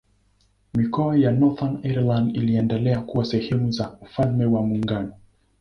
Mikoa ya Northern Ireland iliendelea kuwa sehemu za Ufalme wa Muungano.